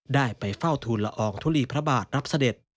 ได้ไปเฝ้าทูลละอองทุลีพระบาทรับเสด็จ